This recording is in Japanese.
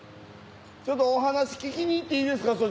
ちょっとお話聞きに行っていいですか？